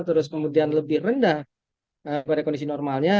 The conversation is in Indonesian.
terus kemudian lebih rendah pada kondisi normalnya